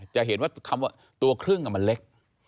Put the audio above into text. จะเห็นว่าคำว่าตัวครึ่งมันเล็ก